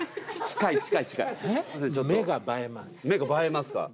目が映えますか？